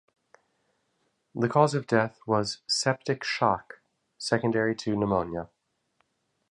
The cause of death was septic shock secondary to pneumonia.